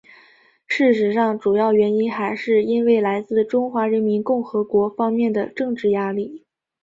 事实上主要原因还是因为来自中华人民共和国方面的政治压力。